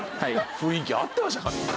雰囲気合ってましたかね？